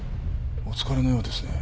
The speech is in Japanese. お疲れのようですね。